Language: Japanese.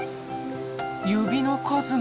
指の数が。